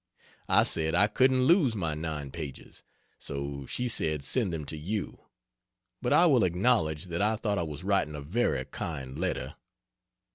I said I couldn't lose my 9 pages so she said send them to you. But I will acknowledge that I thought I was writing a very kind letter.